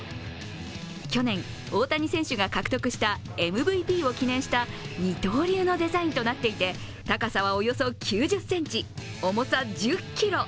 去年、大谷選手が獲得したＭＶＰを記念した二刀流のデザインとなっていて高さはおよそ９０ｃｍ、重さ１０ｋｇ。